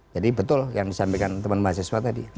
jadi betul yang disampaikan teman teman saya tadi